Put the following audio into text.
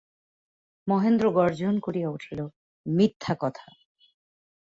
মহেন্দ্র গর্জন করিয়া উঠিয়া কহিল, মিথ্যা কথা।